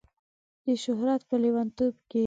د شهرت په لیونتوب کې